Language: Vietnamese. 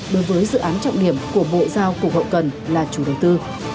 đối với dự án trọng điểm của bộ giao cục hậu cần là chủ đầu tư